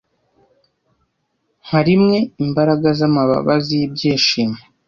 Nka rimwe imbaraga zamababa zibyishimo